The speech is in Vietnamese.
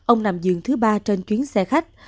ông nằm giường thứ ba trên chuyến xe khách